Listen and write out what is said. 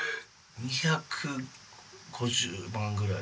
２５０万ぐらい。